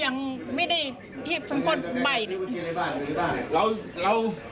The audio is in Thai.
หยุดไหล